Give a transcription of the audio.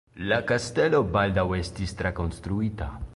La kastelo baldaŭ estis trakonstruita.